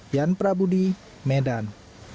yan prabudi medan